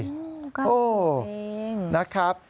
กล้าหู้เห็นเองนะครับ